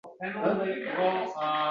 Devor ortida soy bor-ku!